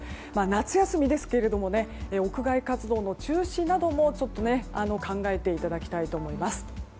夏休みですけれども屋外活動の中止などもちょっと考えていただきたいと思います。